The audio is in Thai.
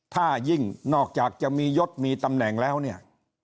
ถ้ายิ่งนอกจากจะมียศมีตำแหน่งแล้วเนี่ย